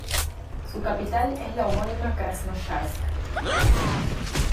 Su capital es la homónima Krasnoyarsk.